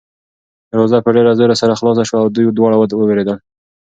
دروازه په ډېر زور سره خلاصه شوه او دوی دواړه ووېرېدل.